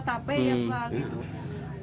tape ya pak